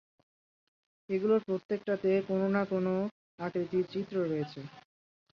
এগুলোর প্রত্যেকটাতে কোনো না কোনো আকৃতির চিত্র রয়েছে।